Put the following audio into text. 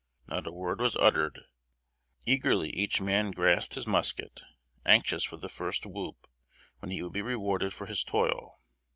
Not a word was uttered. Eagerly each man grasped his musket, anxious for the first whoop, when he would be rewarded for his toil.